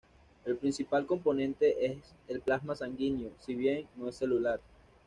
El principal componente es el plasma sanguíneo, si bien no es celular.